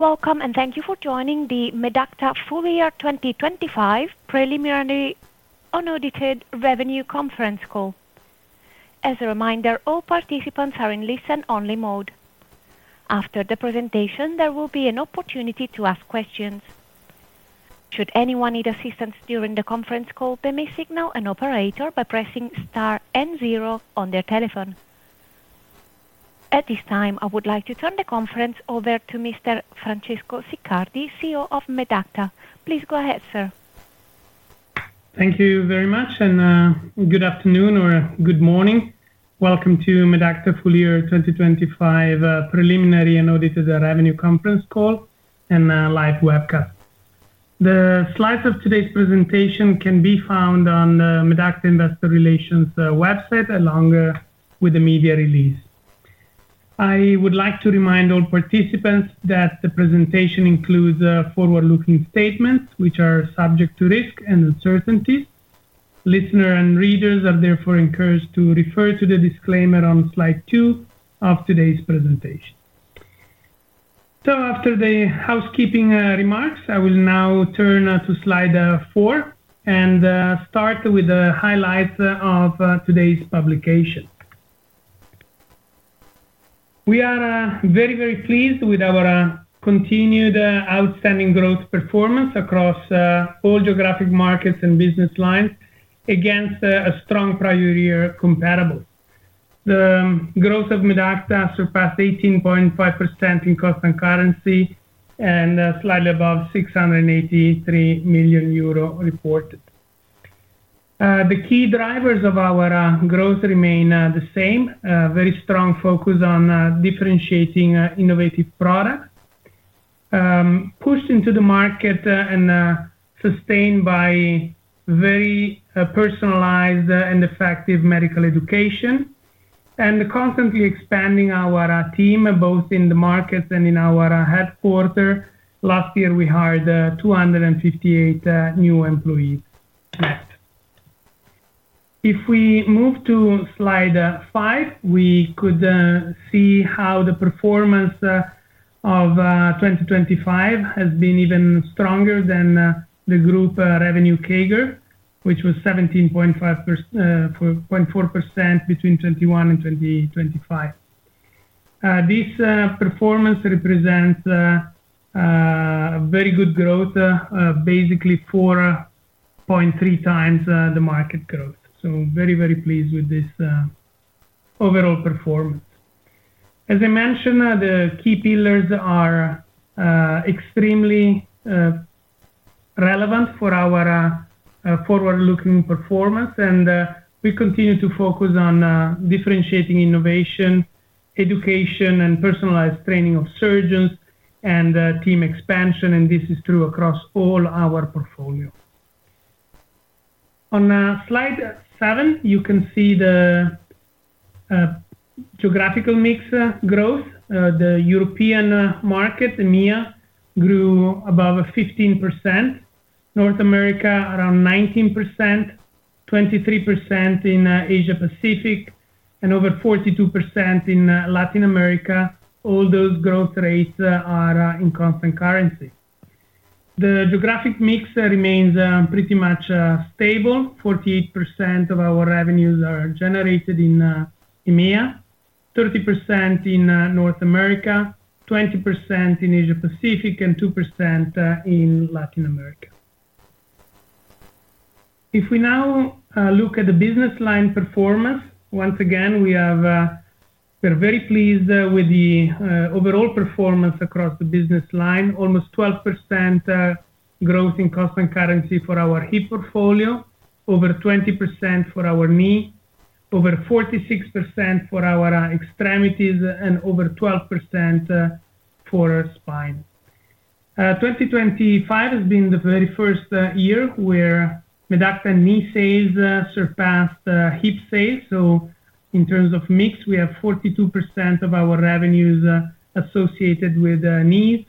...Welcome, and thank you for joining the Medacta Full Year 2025 Preliminary Unaudited Revenue Conference Call. As a reminder, all participants are in listen-only mode. After the presentation, there will be an opportunity to ask questions. Should anyone need assistance during the conference call, they may signal an operator by pressing star and zero on their telephone. At this time, I would like to turn the conference over to Mr. Francesco Siccardi, CEO of Medacta. Please go ahead, sir. Thank you very much, and good afternoon or good morning. Welcome to Medacta Full Year 2025 Preliminary Unaudited Revenue Conference Call and live webcast. The slides of today's presentation can be found on the Medacta Investor Relations website, along with the media release. I would like to remind all participants that the presentation includes forward-looking statements, which are subject to risk and uncertainties. Listeners and readers are therefore encouraged to refer to the disclaimer on Slide 2 of today's presentation. So after the housekeeping remarks, I will now turn to Slide 4 and start with the highlights of today's publication. We are very, very pleased with our continued outstanding growth performance across all geographic markets and business lines against a strong prior year comparable. The growth of Medacta surpassed 18.5% in constant currency and slightly above 683 million euro reported. The key drivers of our growth remain the same. Very strong focus on differentiating innovative product pushed into the market and sustained by very personalized and effective medical education, and constantly expanding our team, both in the markets and in our headquarters. Last year, we hired 258 new employees net. If we move to Slide 5, we could see how the performance of 2025 has been even stronger than the group revenue CAGR, which was 17.4% between 2021 and 2025. This performance represents very good growth, basically 4.3x the market growth. So very, very pleased with this overall performance. As I mentioned, the key pillars are extremely relevant for our forward-looking performance, and we continue to focus on differentiating innovation, education, and personalized training of surgeons and team expansion, and this is true across all our portfolio. On Slide 7, you can see the geographical mix growth. The European market, EMEA, grew above 15%, North America around 19%, 23% in Asia Pacific, and over 42% in Latin America. All those growth rates are in constant currency. The geographic mix remains pretty much stable. 48% of our revenues are generated in EMEA, 30% in North America, 20% in Asia Pacific, and 2% in Latin America. If we now look at the business line performance, once again, we have we're very pleased with the overall performance across the business line. Almost 12% growth in constant currency for our hip portfolio, over 20% for our knee, over 46% for our extremities, and over 12% for spine. 2025 has been the very first year where Medacta knee sales surpassed hip sales. So in terms of mix, we have 42% of our revenues associated with knees,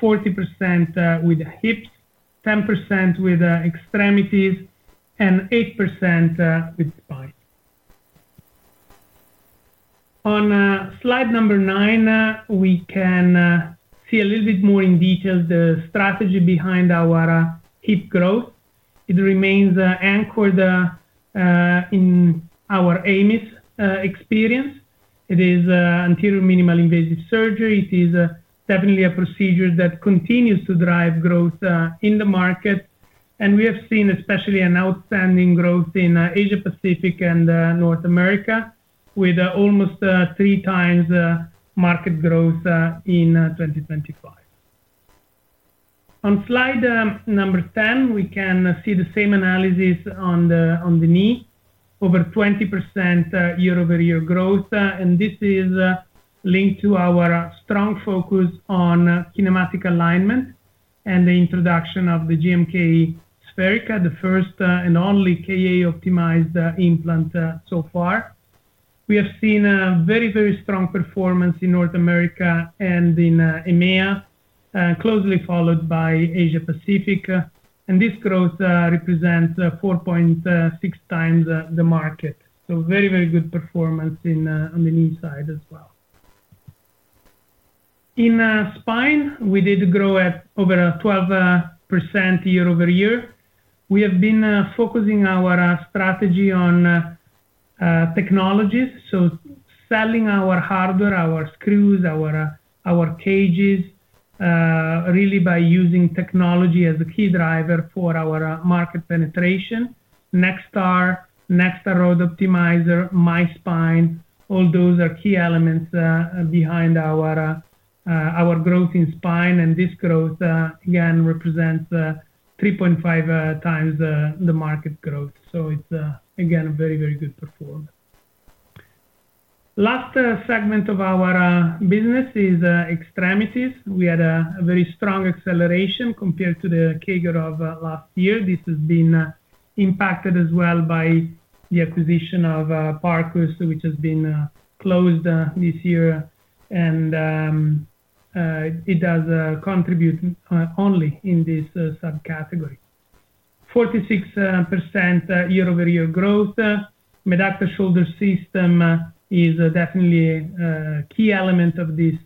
40% with hips, 10% with extremities, and 8% with spine. On Slide number 9, we can see a little bit more in detail the strategy behind our hip growth. It remains anchored in our AMIS experience. It is anterior minimally invasive surgery. It is definitely a procedure that continues to drive growth in the market, and we have seen especially an outstanding growth in Asia Pacific and North America, with almost 3x market growth in 2025. On Slide number 10, we can see the same analysis on the knee. Over 20% year-over-year growth, and this is linked to our strong focus on kinematic alignment and the introduction of the GMK SpheriKA, the first and only KA-optimized implant so far. We have seen a very, very strong performance in North America and in EMEA, closely followed by Asia Pacific, and this growth represents 4.6x the market. So very, very good performance on the knee side as well. In spine, we did grow at over 12% year-over-year. We have been focusing our strategy on technologies. So selling our hardware, our screws, our cages, really by using technology as a key driver for our market penetration. NextAR, NextAR Rod Optimizer, MySpine, all those are key elements behind our growth in spine. And this growth, again, represents 3.5x the market growth. So it's, again, a very, very good performance. Last segment of our business is extremities. We had a very strong acceleration compared to the CAGR of last year. This has been impacted as well by the acquisition of Parcus, which has been closed this year. It does contribute only in this subcategory. 46% year-over-year growth. Medacta Shoulder System is definitely a key element of this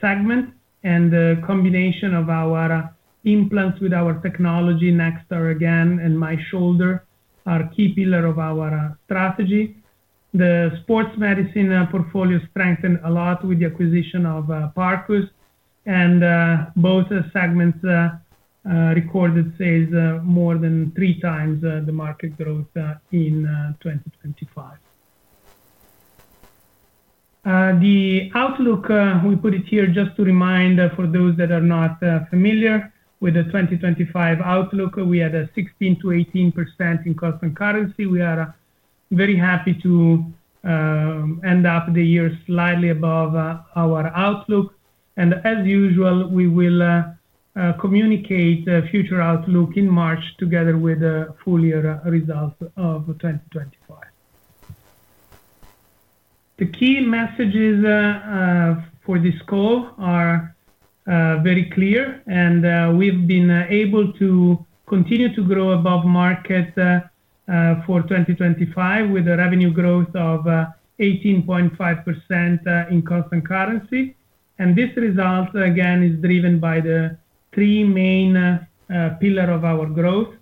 segment, and a combination of our implants with our technology, NextAR again and MyShoulder, are key pillar of our strategy. The sports medicine portfolio strengthened a lot with the acquisition of Parcus, and both segments recorded sales more than 3x the market growth in 2025. The outlook, we put it here just to remind, for those that are not familiar with the 2025 outlook, we had a 16%-18% in constant currency. We are very happy to end up the year slightly above our outlook. And as usual, we will communicate future outlook in March, together with full year results of 2025. The key messages for this call are very clear, and we've been able to continue to grow above market for 2025, with a revenue growth of 18.5% in constant currency. And this result, again, is driven by the three main pillar of our growth: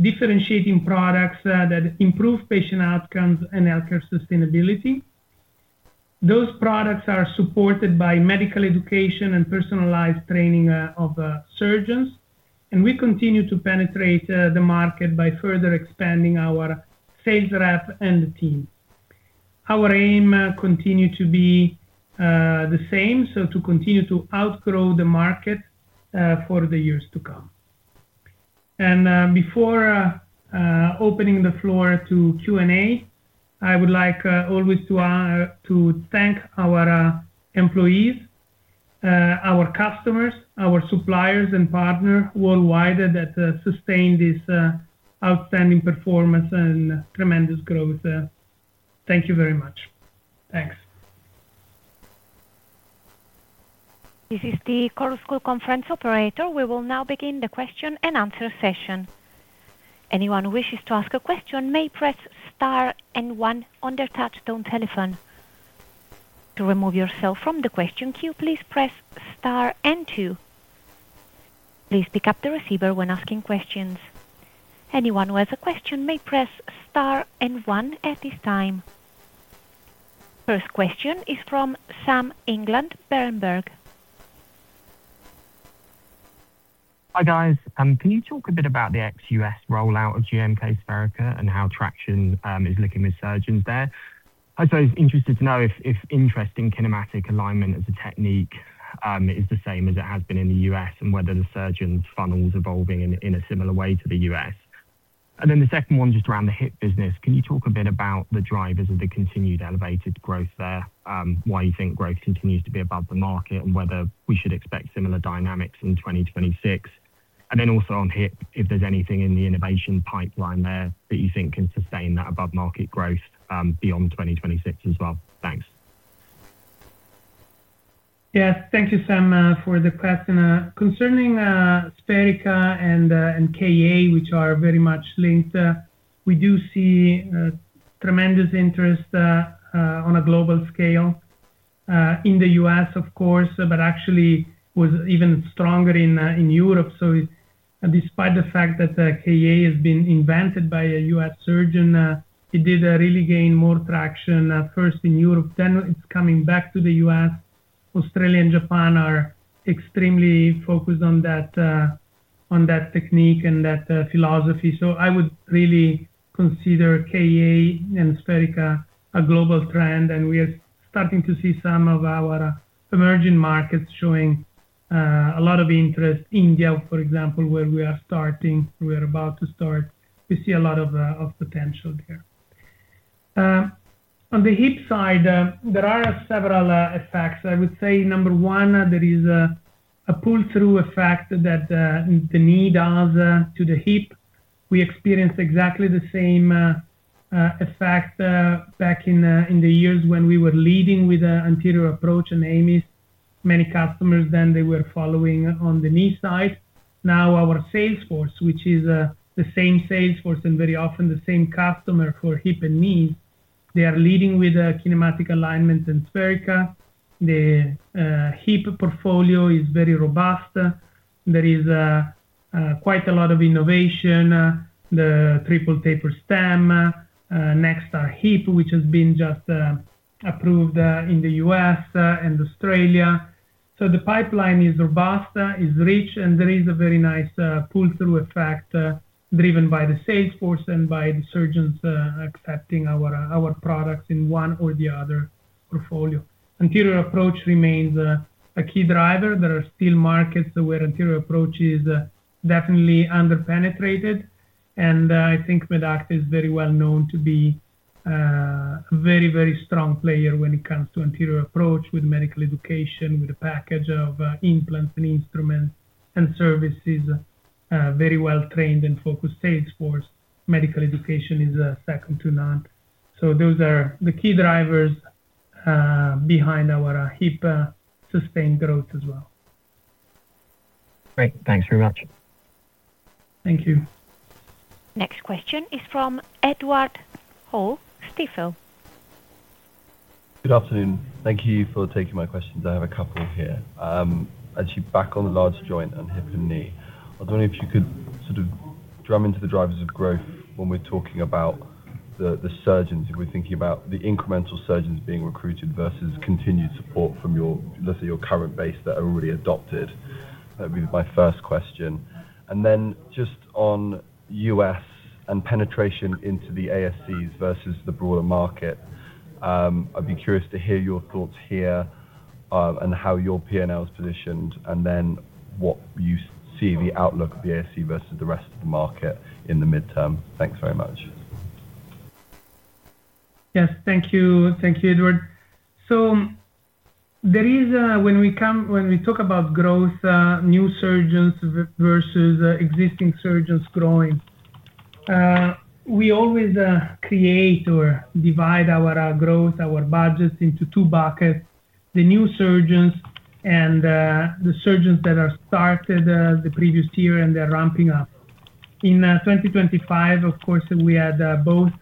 differentiating products that improve patient outcomes and healthcare sustainability. Those products are supported by medical education and personalized training of surgeons, and we continue to penetrate the market by further expanding our sales rep and the team. Our aim continue to be the same, so to continue to outgrow the market for the years to come. Before opening the floor to Q&A, I would like always to thank our employees, our customers, our suppliers, and partners worldwide that sustained this outstanding performance and tremendous growth. Thank you very much. Thanks. This is the Chorus Call conference operator. We will now begin the question and answer session. Anyone who wishes to ask a question may press Star and One on their touchtone telephone. To remove yourself from the question queue, please press Star and Two. Please pick up the receiver when asking questions. Anyone who has a question may press Star and One at this time. First question is from Sam England, Berenberg. Hi, guys. Can you talk a bit about the ex-U.S. rollout of GMK SpheriKA and how traction is looking with surgeons there? I'm interested to know if interest in Kinematic Alignment as a technique is the same as it has been in the U.S. and whether the surgeons funnel is evolving in a similar way to the U.S. And then the second one, just around the hip business, can you talk a bit about the drivers of the continued elevated growth there, why you think growth continues to be above the market? And whether we should expect similar dynamics in 2026. And then also on hip, if there's anything in the innovation pipeline there that you think can sustain that above-market growth beyond 2026 as well. Thanks. Yes. Thank you, Sam, for the question. Concerning SpheriKA and KA, which are very much linked, we do see tremendous interest on a global scale, in the U.S., of course, but actually was even stronger in Europe. So despite the fact that KA has been invented by a U.S. surgeon, it did really gain more traction at first in Europe, then it's coming back to the U.S. Australia and Japan are extremely focused on that technique and that philosophy. So I would really consider KA and SpheriKA a global trend, and we are starting to see some of our emerging markets showing a lot of interest. India, for example, where we are starting... We are about to start. We see a lot of potential there. On the hip side, there are several effects. I would say number one, there is a pull-through effect that the knee does to the hip. We experienced exactly the same effect back in the years when we were leading with anterior approach and AMIS. Many customers, then they were following on the knee side. Now, our sales force, which is the same sales force and very often the same customer for hip and knee, they are leading with a Kinematic Alignment and SpheriKA. The hip portfolio is very robust. There is quite a lot of innovation, the Triple Taper Stem, NextAR Hip, which has been just approved in the U.S. and Australia. So the pipeline is robust, is rich, and there is a very nice pull-through effect, driven by the sales force and by the surgeons accepting our our products in one or the other portfolio. Anterior approach remains a key driver. There are still markets where anterior approach is definitely under-penetrated, and I think Medacta is very well known to be very very strong player when it comes to anterior approach with medical education, with a package of implants and instruments and services, very well trained and focused sales force. Medical education is second to none. So those are the key drivers behind our hip sustained growth as well. Great. Thanks very much. Thank you. Next question is from Edward Hall, Stifel. Good afternoon. Thank you for taking my questions. I have a couple here. Actually, back on the large joint and hip and knee, I was wondering if you could sort of drum into the drivers of growth when we're talking about the, the surgeons. We're thinking about the incremental surgeons being recruited versus continued support from your, let's say, your current base that are already adopted. That'd be my first question. And then just on U.S. and penetration into the ASCs versus the broader market, I'd be curious to hear your thoughts here, and how your P&L is positioned, and then what you see the outlook of the ASC versus the rest of the market in the midterm. Thanks very much. Yes, thank you. Thank you, Edward. So the reason when we come- when we talk about growth, new surgeons versus existing surgeons growing, we always create or divide our growth, our budgets into two buckets: the new surgeons and the surgeons that are started the previous year, and they're ramping up. In 2025, of course, we had both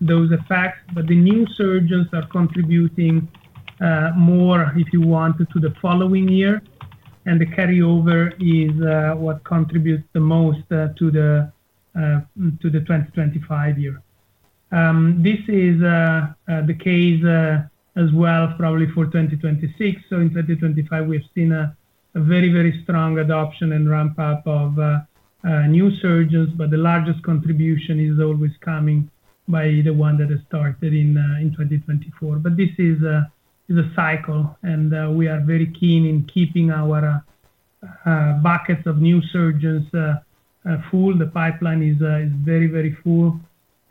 those effects, but the new surgeons are contributing more, if you want, to the following year, and the carryover is what contributes the most to the 2025 year. This is the case as well, probably for 2026. So in 2025, we've seen a very strong adoption and ramp-up of new surgeons, but the largest contribution is always coming by the one that started in 2024. But this is a cycle, and we are very keen in keeping our buckets of new surgeons full. The pipeline is very full,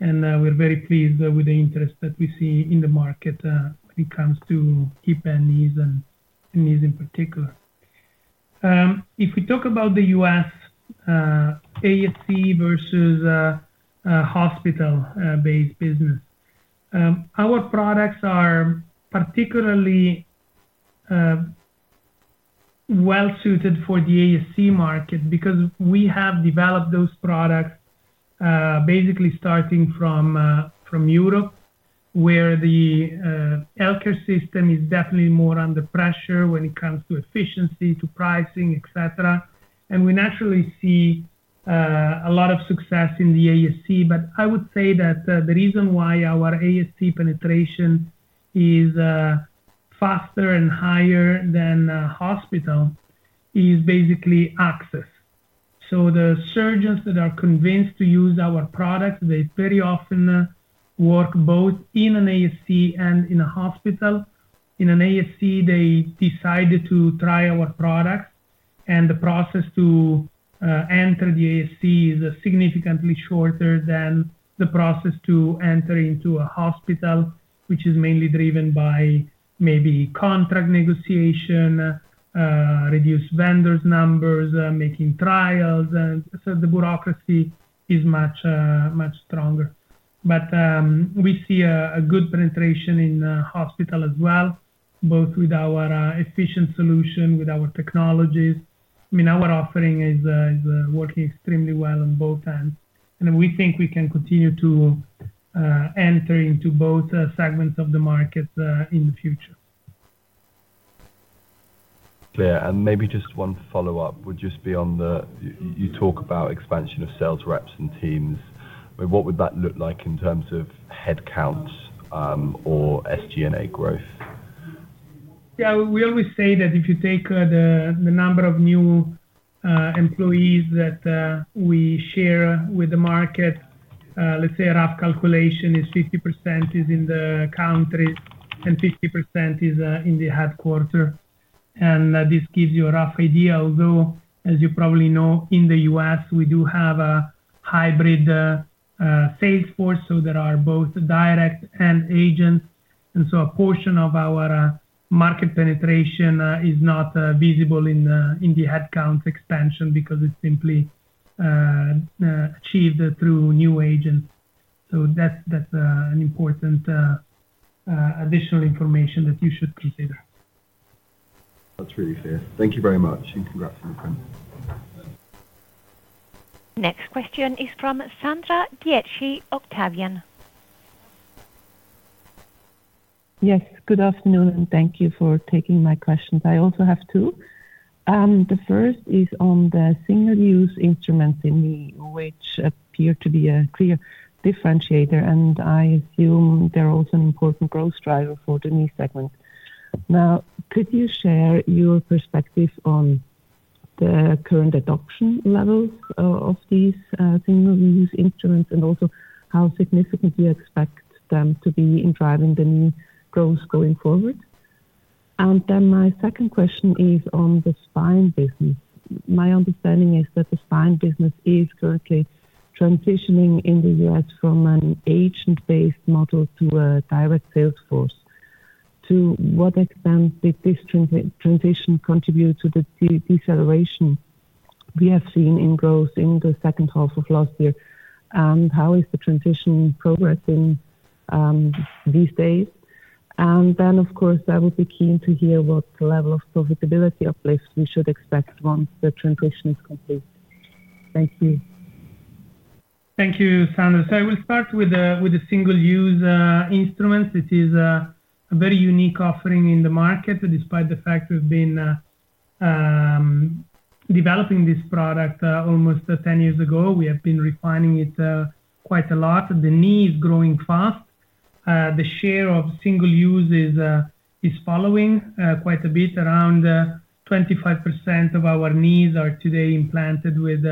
and we're very pleased with the interest that we see in the market when it comes to hip and knees and knees in particular. If we talk about the U.S., ASC versus hospital-based business. Our products are particularly well suited for the ASC market because we have developed those products basically starting from Europe, where the healthcare system is definitely more under pressure when it comes to efficiency, to pricing, et cetera. And we naturally see a lot of success in the ASC, but I would say that the reason why our ASC penetration is faster and higher than a hospital is basically access. So the surgeons that are convinced to use our product, they very often work both in an ASC and in a hospital. In an ASC, they decided to try our product, and the process to enter the ASC is significantly shorter than the process to enter into a hospital, which is mainly driven by maybe contract negotiation, reduced vendors numbers, making trials, and so the bureaucracy is much, much stronger. But, we see a good penetration in hospital as well, both with our efficient solution, with our technologies. I mean, our offering is working extremely well on both ends, and we think we can continue to enter into both segments of the market in the future. Yeah, and maybe just one follow-up would just be on the... you talk about expansion of sales reps and teams. What would that look like in terms of headcounts, or SG&A growth? Yeah, we always say that if you take the number of new employees that we share with the market, let's say a rough calculation is 50% is in the country, and 50 is in the headquarters. And this gives you a rough idea, although, as you probably know, in the U.S., we do have a hybrid sales force, so there are both direct and agents, and so a portion of our market penetration is not visible in the headcount expansion because it's simply achieved through new agents. So that's an important additional information that you should consider. That's really fair. Thank you very much, and congrats on the print. Next question is from Sandra Dietschy, Octavian. Yes, good afternoon, and thank you for taking my questions. I also have two. The first is on the single-use instruments in the—which appear to be a clear differentiator, and I assume they're also an important growth driver for the knee segment. Now, could you share your perspective on the current adoption levels of these single-use instruments, and also how significant you expect them to be in driving the knee growth going forward? And then my second question is on the spine business. My understanding is that the spine business is currently transitioning in the U.S. from an agent-based model to a direct sales force. To what extent did this transition contribute to the deceleration we have seen in growth in the second half of last year? And how is the transition progressing these days? And then, of course, I would be keen to hear what level of profitability or place we should expect once the transition is complete? Thank you. Thank you, Sandra. So I will start with the single-use instruments. It is a very unique offering in the market. Despite the fact we've been developing this product almost 10 years ago, we have been refining it quite a lot. The knee is growing fast. The share of single use is following quite a bit. Around 25% of our knees are today implanted with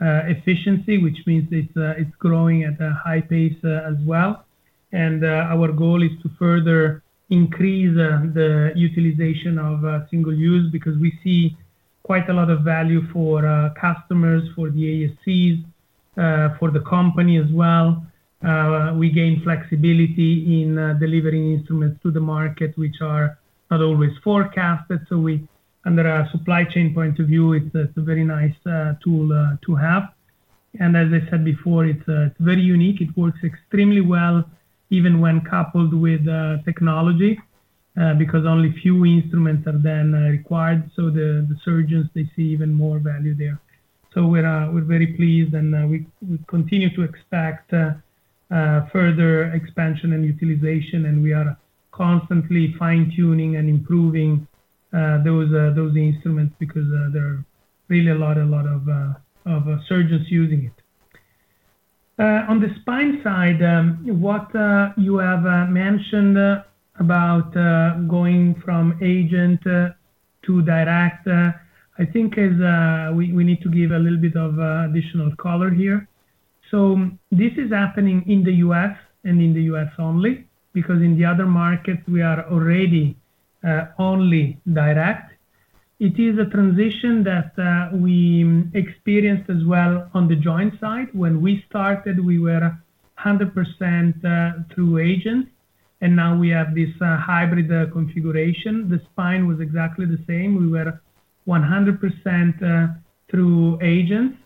efficiency, which means it's growing at a high pace as well. Our goal is to further increase the utilization of single use because we see quite a lot of value for customers, for the ASCs, for the company as well. We gain flexibility in delivering instruments to the market which are not always forecasted. So we... Under a supply chain point of view, it's a very nice tool to have. As I said before, it's very unique. It works extremely well, even when coupled with technology, because only few instruments are then required, so the surgeons, they see even more value there. So we're very pleased, and we continue to expect further expansion and utilization, and we are constantly fine-tuning and improving those instruments because there are really a lot of surgeons using it. On the spine side, what you have mentioned about going from agent to direct, I think we need to give a little bit of additional color here. So this is happening in the US and in the US only, because in the other markets, we are already only direct. It is a transition that we experienced as well on the joint side. When we started, we were 100% through agents, and now we have this hybrid configuration. The spine was exactly the same. We were 100% through agents.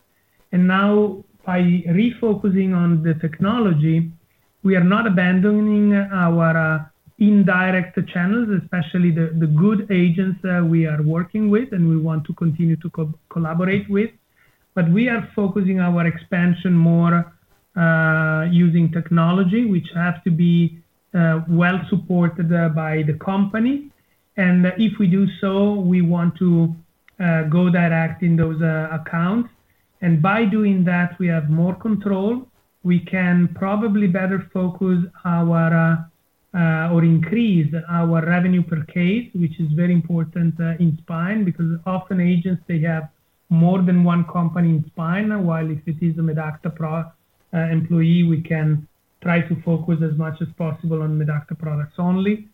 And now, by refocusing on the technology, we are not abandoning our indirect channels, especially the good agents that we are working with, and we want to continue to collaborate with. But we are focusing our expansion more using technology, which has to be well supported by the company. And if we do so, we want to go direct in those accounts. And by doing that, we have more control. We can probably better focus our or increase our revenue per case, which is very important in spine, because often agents they have more than one company in spine, while if it is a Medacta employee, we can try to focus as much as possible on Medacta products only.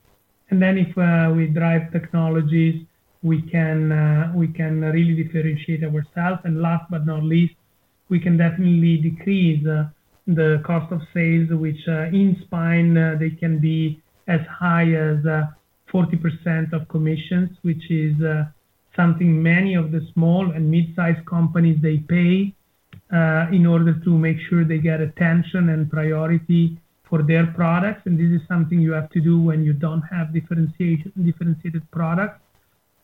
And then if we drive technologies, we can we can really differentiate ourselves. And last but not least, we can definitely decrease the cost of sales, which in spine they can be as high as 40% of commissions, which is something many of the small and mid-sized companies they pay in order to make sure they get attention and priority for their products. And this is something you have to do when you don't have differentiated products.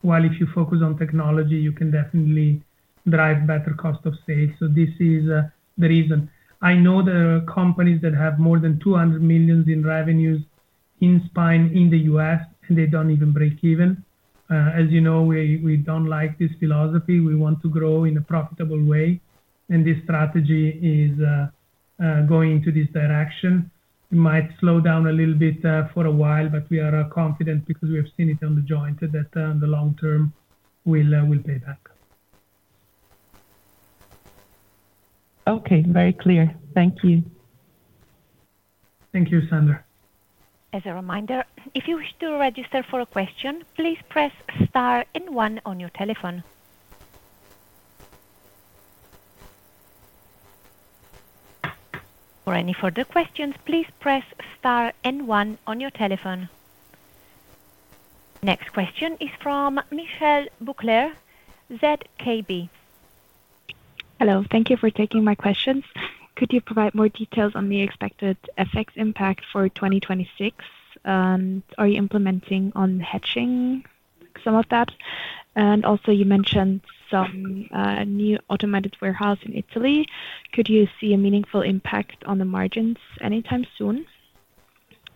While if you focus on technology, you can definitely drive better cost of sales. So this is the reason. I know there are companies that have more than $200 million in revenues in spine in the US, and they don't even break even. As you know, we don't like this philosophy. We want to grow in a profitable way, and this strategy is going into this direction. It might slow down a little bit, for a while, but we are confident because we have seen it on the joint, that in the long term will pay back. Okay, very clear. Thank you. Thank you, Sandra. As a reminder, if you wish to register for a question, please press star and one on your telephone... For any further questions, please press star and one on your telephone. Next question is from Michelle Büchler, ZKB. Hello. Thank you for taking my questions. Could you provide more details on the expected FX impact for 2026? Are you implementing on hedging some of that? And also you mentioned some new automated warehouse in Italy. Could you see a meaningful impact on the margins anytime soon?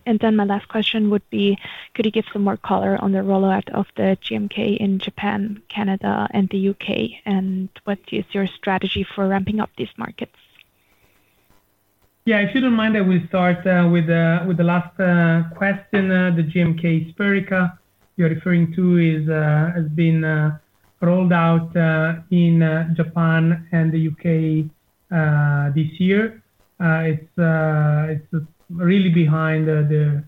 And then my last question would be: could you give some more color on the rollout of the GMK in Japan, Canada, and the UK? And what is your strategy for ramping up these markets? Yeah, if you don't mind, I will start with the last question. The GMK SpheriKA you're referring to has been rolled out in Japan and the UK this year. It's really behind the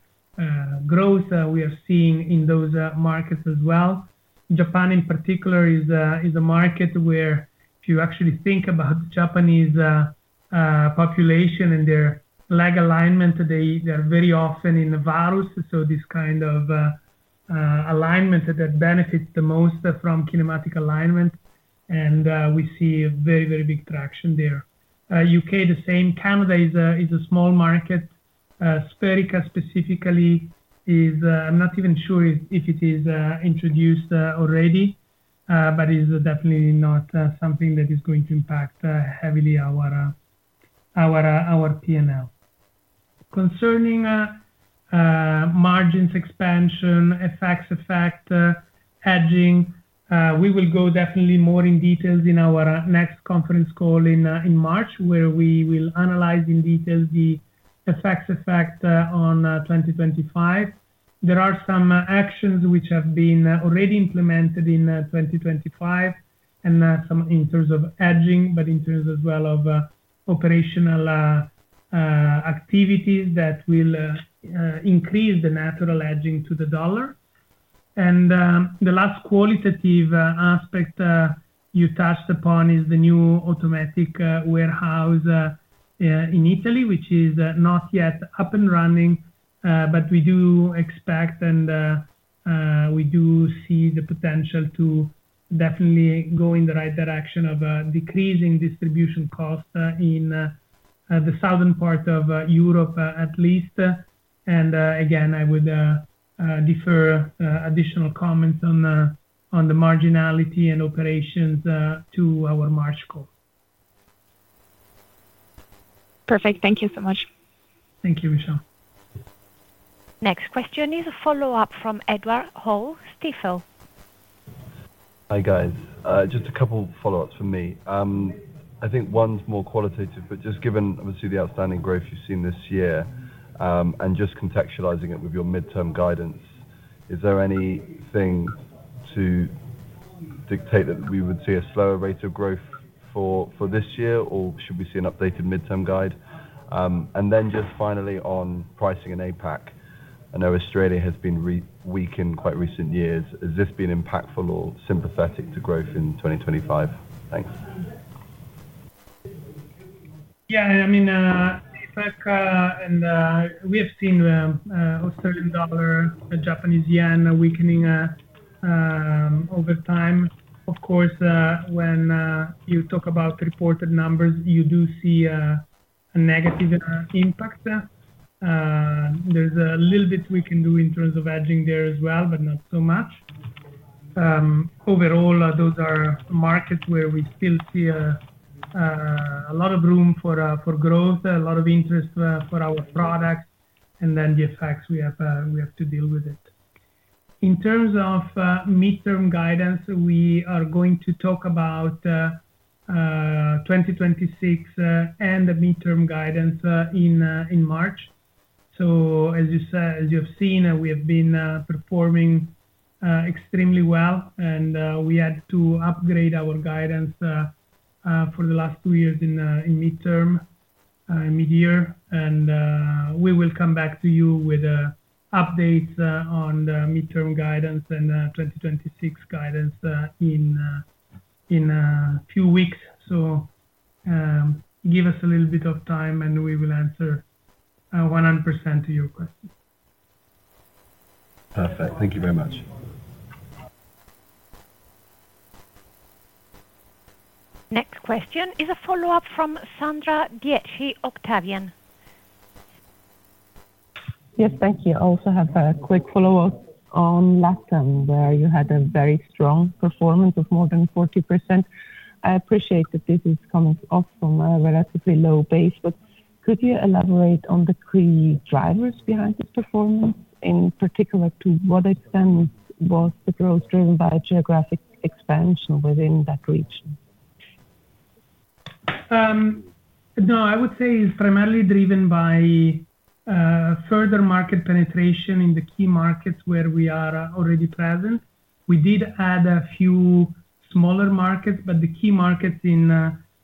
growth we are seeing in those markets as well. Japan in particular is a market where if you actually think about the Japanese population and their leg alignment, they they're very often in the varus, so this kind of alignment that benefits the most from kinematic alignment, and we see a very, very big traction there. UK, the same. Canada is a small market. SpheriKA specifically is, I'm not even sure if it is introduced already, but is definitely not something that is going to impact heavily our PNL. Concerning margins expansion effects of hedging, we will go definitely more in details in our next conference call in March, where we will analyze in detail the effects on 2025. There are some actions which have been already implemented in 2025, and some in terms of hedging, but in terms as well of operational activities that will increase the natural hedging to the US dollar. And the last qualitative aspect you touched upon is the new automatic warehouse in Italy, which is not yet up and running. But we do expect and we do see the potential to definitely go in the right direction of decreasing distribution costs in the southern part of Europe, at least. And again, I would defer additional comments on the marginality and operations to our March call. Perfect. Thank you so much. Thank you, Michelle. Next question is a follow-up from Edward Hall, Stifel. Hi, guys. Just a couple follow-ups from me. I think one's more qualitative, but just given obviously the outstanding growth you've seen this year, and just contextualizing it with your midterm guidance, is there anything to dictate that we would see a slower rate of growth for this year, or should we see an updated midterm guide? And then just finally on pricing in APAC. I know Australia has been really weak in quite recent years. Has this been impactful or sympathetic to growth in 2025? Thanks. Yeah, I mean, APAC, and we have seen Australian dollar, the Japanese yen weakening over time. Of course, when you talk about reported numbers, you do see a negative impact. There's a little bit we can do in terms of hedging there as well, but not so much. Overall, those are markets where we still see a lot of room for for growth, a lot of interest for our products, and then the effects we have, we have to deal with it. In terms of midterm guidance, we are going to talk about 2026 and the midterm guidance in in March. So as you said, as you have seen, we have been performing extremely well, and we had to upgrade our guidance for the last two years in midterm, mid-year. And we will come back to you with updates on the midterm guidance and 2026 guidance in few weeks. So, give us a little bit of time, and we will answer 100% to your questions. Perfect. Thank you very much. Next question is a follow-up from Sandra Dietschy, Octavian. Yes, thank you. Also have a quick follow-up on Latam, where you had a very strong performance of more than 40%. I appreciate that this is coming off from a relatively low base, but could you elaborate on the key drivers behind this performance? In particular, to what extent was the growth driven by geographic expansion within that region? No, I would say it's primarily driven by further market penetration in the key markets where we are already present. We did add a few smaller markets, but the key markets in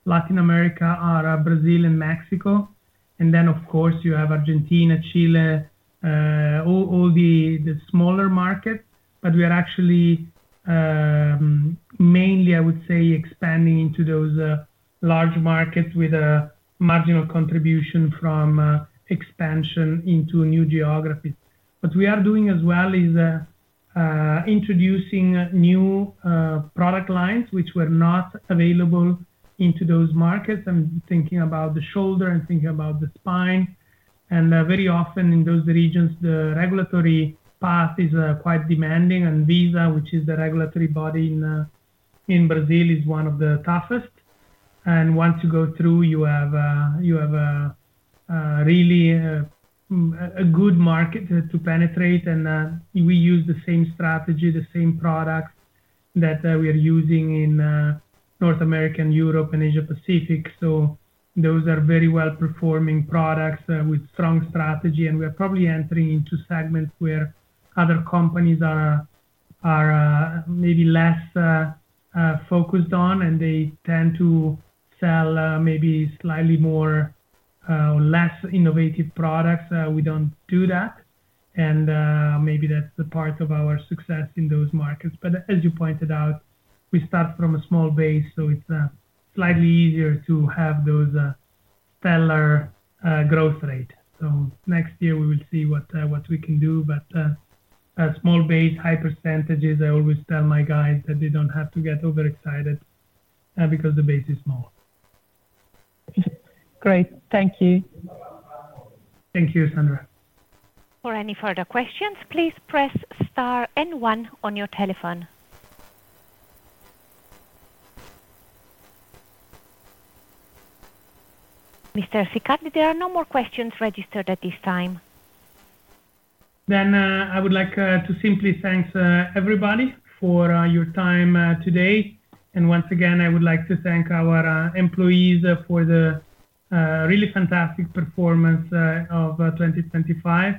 Latin America are Brazil and Mexico. And then, of course, you have Argentina, Chile, all the smaller markets. But we are actually mainly, I would say, expanding into those large markets with a marginal contribution from expansion into new geographies. What we are doing as well is introducing new product lines, which were not available into those markets. I'm thinking about the shoulder, I'm thinking about the spine. And very often in those regions, the regulatory path is quite demanding, and ANVISA, which is the regulatory body in Brazil, is one of the toughest. Once you go through, you have, you have a, really, a, a good market to, to penetrate. And, we use the same strategy, the same products that, we are using in, North America and Europe and Asia Pacific, so those are very well-performing products, with strong strategy. And we are probably entering into segments where other companies are, are, maybe less, focused on, and they tend to sell, maybe slightly more, less innovative products. We don't do that, and, maybe that's the part of our success in those markets. But as you pointed out, we start from a small base, so it's, slightly easier to have those, stellar, growth rate. So next year we will see what, what we can do. But a small base, high percentages. I always tell my guys that they don't have to get overexcited because the base is small. Great. Thank you. Thank you, Sandra. For any further questions, please press Star and One on your telephone. Mr. Siccardi, there are no more questions registered at this time. Then, I would like to simply thank everybody for your time today. Once again, I would like to thank our employees for the really fantastic performance of 2025,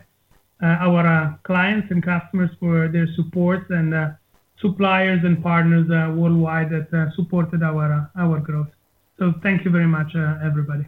our clients and customers for their support, and suppliers and partners worldwide that supported our growth. So thank you very much, everybody.